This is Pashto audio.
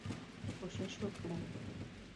کوشش وکړئ